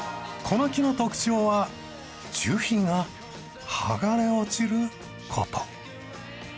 この木の特徴は樹皮が剥がれ落ちる事。